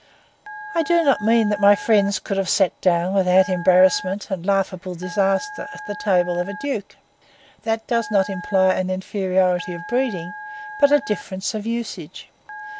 I do not mean that my friends could have sat down without embarrassment and laughable disaster at the table of a duke. That does not imply an inferiority of breeding, but a difference of usage.